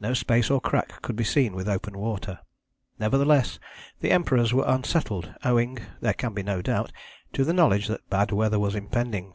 No space or crack could be seen with open water. Nevertheless the Emperors were unsettled owing, there can be no doubt, to the knowledge that bad weather was impending.